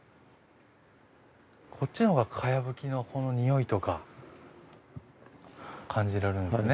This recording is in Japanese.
こっちのほうが茅葺きのこの匂いとか感じられるんですね。